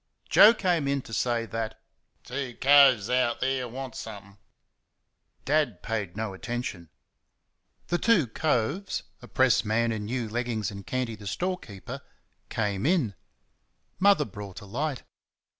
Joe came in to say that "Two coves out there wants somethink." Dad paid no attention. The two "coves" a pressman, in new leggings, and Canty, the storekeeper came in. Mother brought a light.